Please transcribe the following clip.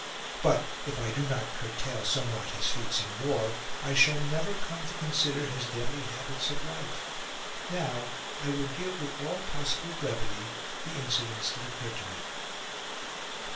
But, if I do not curtail somewhat his feats in war, I shall never come to consider his daily habits of life. Now I will give with all possible brevity the incidents that occur to me.